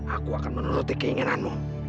aku akan menuruti keinginanmu